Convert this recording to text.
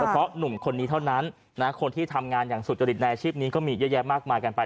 เพราะหนุ่มคนนี้เท่านั้นคนที่ทำงานอย่างสุจริตในอาชีพนี้ก็มีเยอะแยะมากมายกันไป